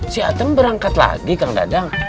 si atem berangkat lagi kang dadang